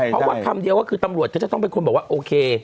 เพราะว่าคำเดียวก็คือตำรวจก็จะต้องเป็นคนบอกว่าโอเค